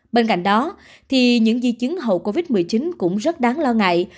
bên cạnh đó thì những di chứng hậu covid một mươi chín cũng rất đáng lo ngại